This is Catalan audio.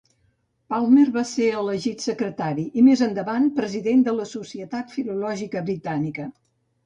Palmer va ser elegit Secretari i més endavant president de la Societat Filològica britànica.